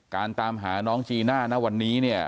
ตามหาน้องจีน่านะวันนี้เนี่ย